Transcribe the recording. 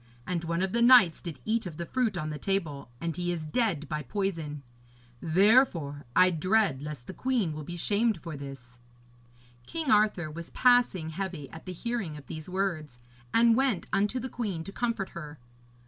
And one of the knights did eat of the fruit on the table, and he is dead by poison. Therefore, I dread lest the queen will be shamed for this.' King Arthur was passing heavy at the hearing of these words, and went unto the queen to comfort her.